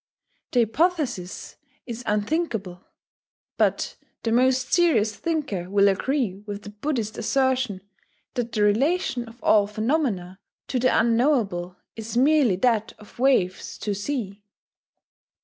The hypothesis is "unthinkable." But the most serious thinker will agree with the Buddhist assertion that the relation of all phenomena to the unknowable is merely that of waves to sea.